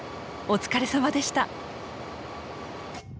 お疲れさまでした！